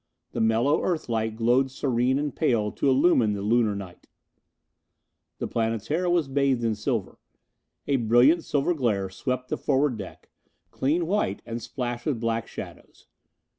The mellow Earth light glowed serene and pale to illumine the Lunar night. The Planetara was bathed in silver. A brilliant silver glare swept the forward deck, clean white and splashed with black shadows.